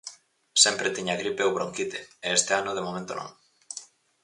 Sempre tiña gripe ou bronquite, e este ano de momento non.